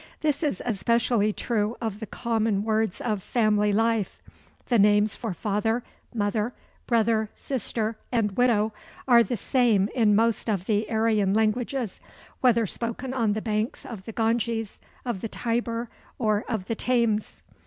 This is especially true of the common words of family life. The names for father, mother, brother, sister, and widow are the same in most of the Aryan languages, whether spoken on the banks of the Ganges, of the Tiber, or of the Thames.